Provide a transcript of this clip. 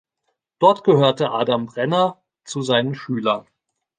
Dort gehörte Adam Brenner zu seinen Schülern.